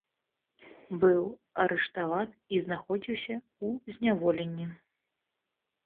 Быў арыштаваны і знаходзіўся ў зняволенні.